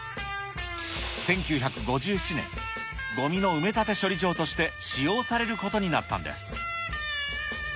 １９５７年、ごみの埋め立て処理場として、使用されることになったんです。